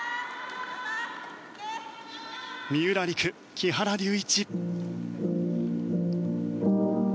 三浦璃来、木原龍一。